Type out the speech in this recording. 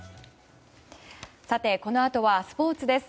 さて、このあとはスポーツです。